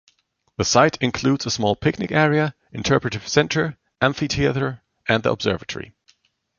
The site includes a small picnic area, interpretive center, amphitheater, and the observatory.